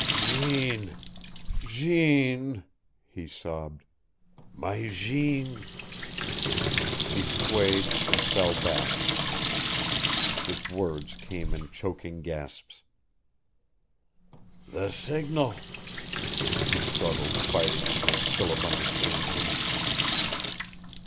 "Jeanne Jeanne " he sobbed. "My Jeanne " He swayed, and fell back. His words came in choking gasps. "The signal!" he struggled, fighting to make Philip understand him.